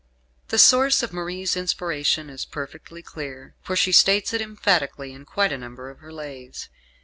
The source of Marie's inspiration is perfectly clear, for she states it emphatically in quite a number of her Lays.